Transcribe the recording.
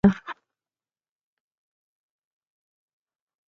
سلیمان غر د افغانستان د سیلګرۍ برخه ده.